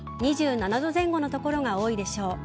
２７度前後の所が多いでしょう。